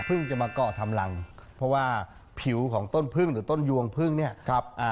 จะมาเกาะทำรังเพราะว่าผิวของต้นพึ่งหรือต้นยวงพึ่งเนี่ยครับอ่า